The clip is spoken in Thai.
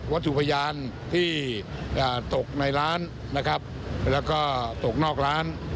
วัตถุพยานที่ตกในร้านแล้วก็ตกนอกร้าน